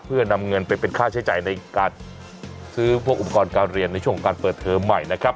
เพื่อนำเงินไปเป็นค่าใช้จ่ายในการซื้อพวกอุปกรณ์การเรียนในช่วงการเปิดเทอมใหม่นะครับ